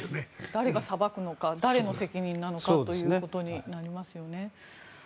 誰が裁くのか誰の責任なのかとなりますよね。